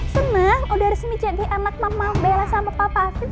seneng udah resmi jadi anak mama bella sama papa afif